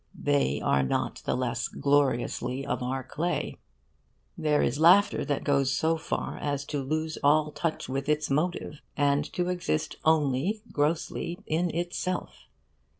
They are not the less 'gloriously of our clay.' There is laughter that goes so far as to lose all touch with its motive, and to exist only, grossly, in itself.